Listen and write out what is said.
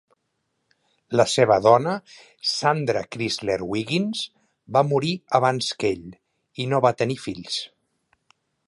La seva dona, Sandra Crysler-Wiggins, va morir abans que ell, i no va tenir fills.